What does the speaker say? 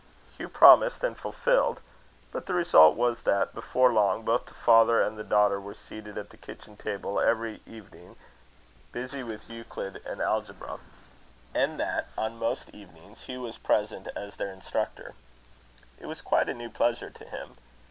Hugh promised and fulfilled; but the result was, that, before long, both the father and the daughter were seated at the kitchen table, every evening, busy with Euclid and Algebra; and that, on most evenings, Hugh was present as their instructor. It was quite a new pleasure to him.